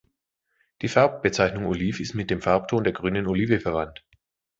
Die Farbbezeichnung „Oliv“ ist mit dem Farbton der grünen Olive verwandt.